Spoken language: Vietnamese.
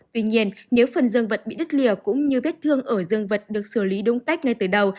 tuy nhiên nếu phần dương vật bị đứt lìa cũng như vết thương ở dương vật được xử lý đúng cách ngay từ đầu